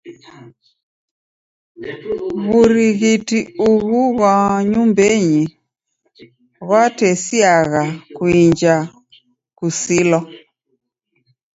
W'urighiti ughu ghwa nyumbenyi ghwatesiagha kuinja kusilwa.